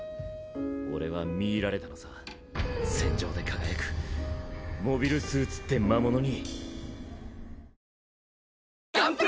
俺は魅入られたのさ戦場で輝くモビルスーツって魔物に。